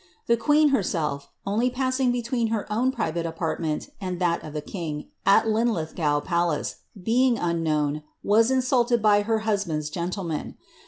The queen, herself, only passing between her own private apartment and that of the king, at Lin lithgow Palace, being unknown, was insulted by one of her hus band's gentlemen.